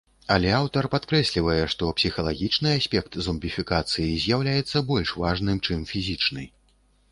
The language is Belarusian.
Але аўтар падкрэслівае, што псіхалагічны аспект зомбіфікацыі з'яўляецца больш важным, чым фізічны.